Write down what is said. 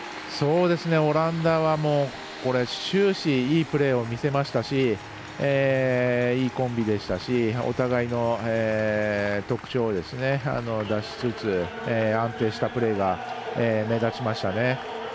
オランダは終始いいプレーを見せましたしいいコンビでしたしお互いの特徴を出しつつ、安定したプレーが目立ちましたね。